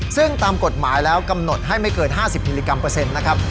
ซึ่งตามกฎหมายแล้วกำหนดให้ไม่เกิน๕๐มิลลิกรัมเปอร์เซ็นต์นะครับ